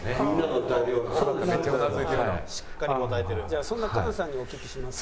「じゃあそんな菅さんにお聞きします」。